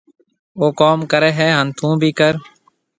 او ڪوم ڪرهيَ هانَ ٿُون بي ڪوم ڪري۔